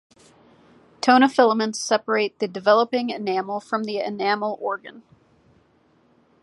Tonofilaments separate the developing enamel from the enamel organ.